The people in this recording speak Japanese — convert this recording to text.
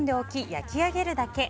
焼き上げるだけ。